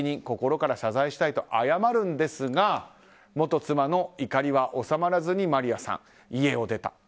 心から謝罪したいと謝るんですが元妻の怒りは収まらずにマリアさん、家を出た。